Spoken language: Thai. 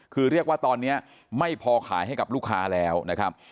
คือเรียกว่าตอนนี้ไม่พอขายให้กับลูกค้าแล้วนะครับ